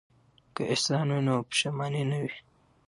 که احسان وي نو پښیماني نه وي.